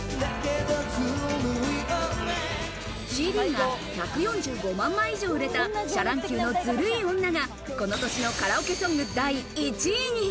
ＣＤが１４５万枚以上売れた、シャ乱Ｑの『ズルい女』がこの年のカラオケソング第１位に。